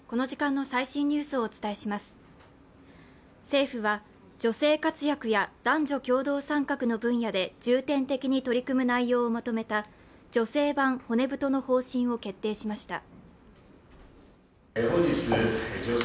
政府は女性活躍や男女共同参画の分野で重点的に取り組む内容をまとめた女性版骨太の方針を決定しました。